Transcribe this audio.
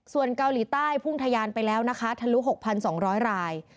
ส่วนเกาหลีใต้พุ่งทะยานไปแล้วนะคะทะลุ๖๒๐๐ราย